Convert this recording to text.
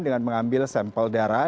dengan mengambil sampel darah